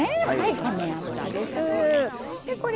米油です。